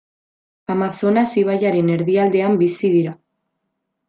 Amazonas ibaiaren erdialdean bizi dira.